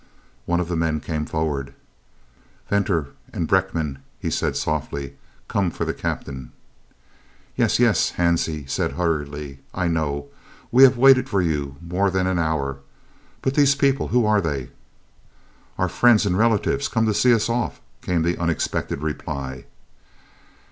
One of the men came forward. "Venter and Brenckmann," he said softly, "come for the Captain." "Yes, yes," Hansie said hurriedly. "I know. We have waited for you more than an hour. But these people? Who are they?" "Our friends and relatives come to see us off," came the unexpected reply.